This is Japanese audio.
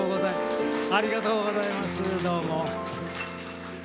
ありがとうございますどうも。